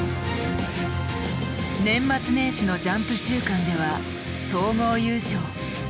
年末年始の「ジャンプ週間」では総合優勝。